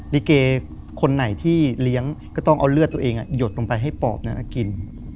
ลิเกคนไหนที่เลี้ยงก็ต้องเอาเลือดตัวเองหยดลงไปให้ปอบนั้นกิน